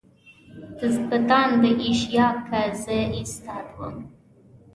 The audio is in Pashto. دبستان د ایشیا که زه استاد وم.